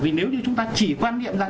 vì nếu như chúng ta chỉ quan niệm là